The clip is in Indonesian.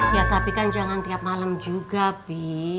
ya tapi kan jangan tiap malam juga bi